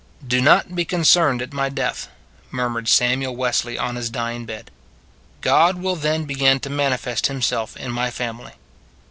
" Do not be concerned at my death," murmured Samuel Wesley on his dying bed. " God will then begin to manifest himself in my family."